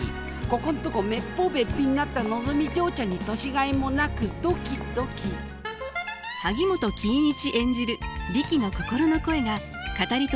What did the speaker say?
ここんとこめっぽうべっぴんになったのぞみ嬢ちゃんに年がいもなくドキドキ萩本欽一演じるリキの心の声が語りとして物語を盛り上げます。